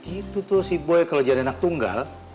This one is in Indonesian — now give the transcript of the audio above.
itu tuh si boy kalau jadi anak tunggal